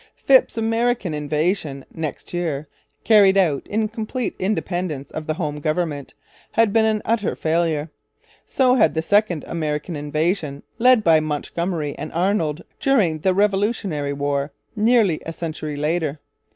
Phips's American invasion next year, carried out in complete independence of the home government, had been an utter failure. So had the second American invasion, led by Montgomery and Arnold during the Revolutionary War, nearly a century later.